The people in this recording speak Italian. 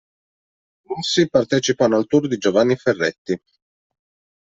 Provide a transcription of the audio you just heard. Rossi partecipano al tour di Giovanni Ferretti.